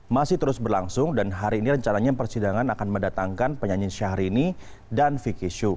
masih terus berlangsung dan hari ini rencananya persidangan akan mendatangkan penyanyi syahrini dan vicky shu